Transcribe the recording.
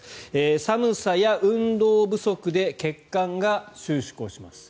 寒さや運動不足で血管が収縮をします。